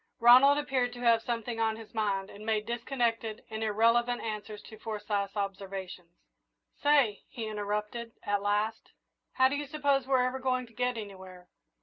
Ronald appeared to have something on his mind, and made disconnected and irrelevant answers to Forsyth's observations. "Say," he interrupted, at last, "how do you suppose we're ever going to get anywhere?"